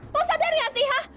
lo sadar nggak sih ha